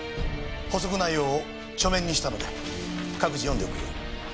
補足内容を書面にしたので各自読んでおくように。